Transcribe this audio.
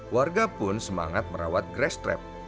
warga pun semangat merawat grace trap